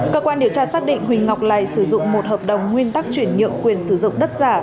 cơ quan điều tra xác định huỳnh ngọc lầy sử dụng một hợp đồng nguyên tắc chuyển nhượng quyền sử dụng đất giả